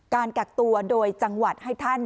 การกักตัวโดยจังหวัดให้ท่าน